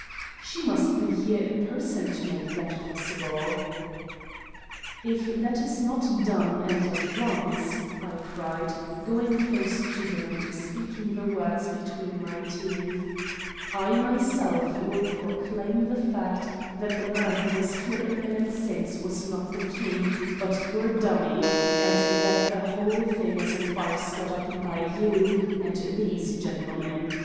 "She must be here in person to make that possible." "If that is not done and at once," I cried, going close to him and speaking the words between my teeth, "I myself will proclaim the fact that the man who was here a minute since was not the King, but your dummy, and that the whole thing is a farce got up by you and these gentlemen.